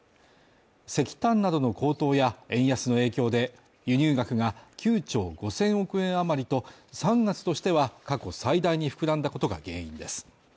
石炭などの高騰や円安の影響で輸入額が９兆５０００億円余りと３月としては過去最大に膨らんだことが原因です。